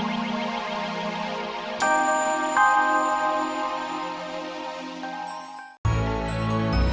wah oh ya ampun